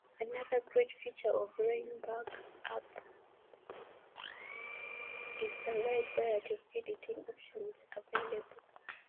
Another great feature of Reimage App is the wide variety of editing options available.